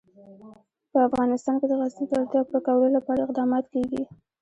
په افغانستان کې د غزني د اړتیاوو پوره کولو لپاره اقدامات کېږي.